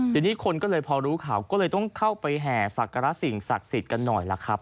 ทีนี้เขารู้ข่าวก็เลยต้องเข้าไปหจกรสิทธิ์สักสิทธิ์กันหน่อยละครับ